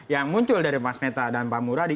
yang muncul dari pak sneta dan pak muradi